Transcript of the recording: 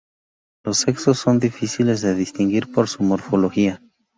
Los sexos son difíciles de distinguir por su morfología.